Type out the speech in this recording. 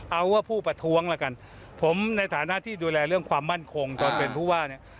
เอาว่าผู้ประท้วงละกันผมในฐานะที่ดูแลเรื่องความมั่นคงตอนเป็นผู้ว่าเนี่ย